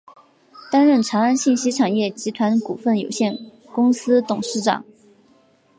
担任长安信息产业集团股份有限公司董事长。